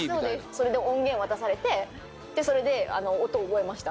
それで音源渡されてそれで音を覚えました。